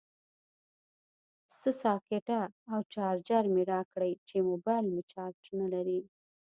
سه ساکټه او چارجر مې راکړئ چې موبایل مې چارج نلري